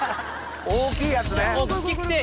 大きいやつね。